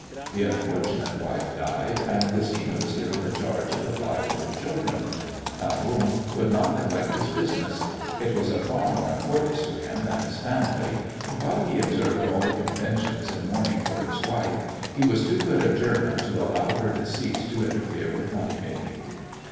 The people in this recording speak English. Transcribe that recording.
The unfortunate wife died, and Gesina was given the charge of the five little children. Herr Rumf could not neglect his business. It was of far more importance to him than his family; and, while he observed all the conventions in mourning for his wife, he was too good a German to allow her decease to interfere with money making.